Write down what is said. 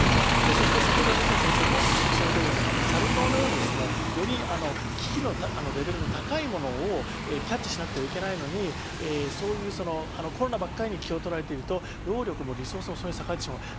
そして先ほど水野先生も指摘されたように、サル痘のようにより危機のレベルの高いものをキャッチしなくてはならないのに、コロナばかりに気を取られていると労力、リソースが下がる。